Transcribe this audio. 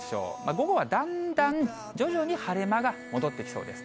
午後はだんだん、徐々に晴れ間が戻ってきそうです。